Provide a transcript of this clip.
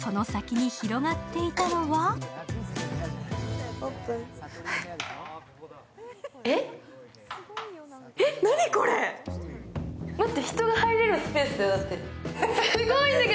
その先に広がっていたのは待って人が入れるスペースすごいんだけど！